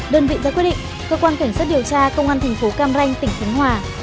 đơn vị ra quyết định cơ quan cảnh sát điều tra công an thành phố cam ranh tỉnh khánh hòa